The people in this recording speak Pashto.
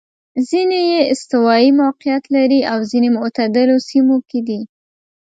ځیني یې استوايي موقعیت لري او ځیني معتدلو سیمو کې دي.